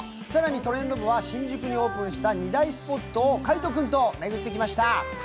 更に「トレンド部」は新規オープンした２大スポットを海音君と巡ってきました。